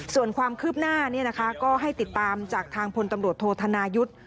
ส่วนความคืบหน้าก็ให้ติดตามจากทางพลตำรวจโทษธนายุทธ์